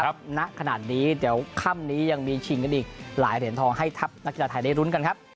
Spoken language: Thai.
ณขนาดนี้เดี๋ยวค่ำนี้ยังมีชิงกันอีกหลายเหรียญทองให้ทัพนักกีฬาไทยได้รุ้นกันครับ